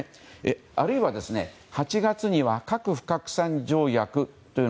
あるいは、８月には核不拡散条約という。